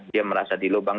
dia merasa di lubang